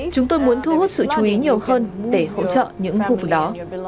chúng tôi muốn thu hút sự chú ý nhiều hơn để hỗ trợ những khu vực đó